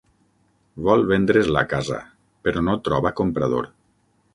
Vol vendre's la casa, però no troba comprador.